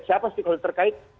siapa stakeholder terkait